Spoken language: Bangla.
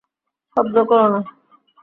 শব্দ কোরো না।